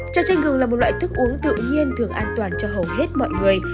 chà chanh gừng là một loại thức uống tự nhiên thường an toàn cho hầu hết mọi người